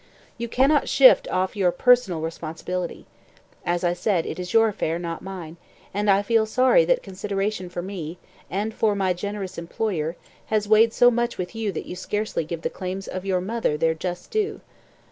You cannot shift off your personal responsibility. As I said, it is your affair, not mine; and I feel sorry that consideration for me, and for my generous employer, has weighed so much with you that you scarcely give the claims of your mother their just due."